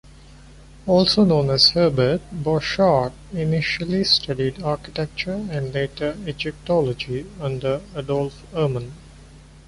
Also known as Herbert, Borchardt initially studied Architecture and later Egyptology under Adolf Erman.